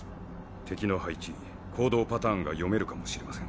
敵の配置行動パターンが読めるかもしれません。